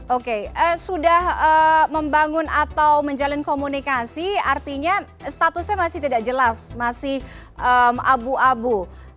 oke sudah membangun atau menjalin komunikasi artinya statusnya masih tidak jelas masih abu abu